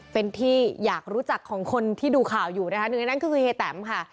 เป็นที่อยากรู้จักของคนที่ดูข่าวอยู่นะคะหนึ่งในนั้นก็คือเฮีแตมค่ะ